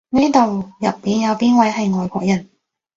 呢度入邊有邊位係外國人？